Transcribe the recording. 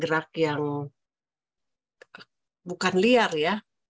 gerak yang bukan liar ya